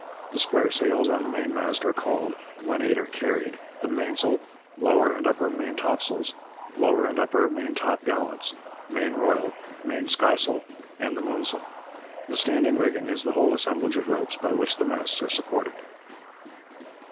The square sails on the mainmast are called, when eight are carried, the mainsail, lower and upper maintopsails, lower and upper maintopgallants, main royal, main skysail, and the moonsail. The standing rigging is the whole assemblage of ropes by which the masts are supported.